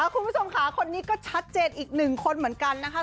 คุณผู้ชมค่ะคนนี้ก็ชัดเจนอีกหนึ่งคนเหมือนกันนะคะ